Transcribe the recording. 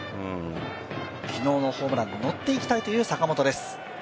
昨日のホームラン、ノッていきたいという坂本です。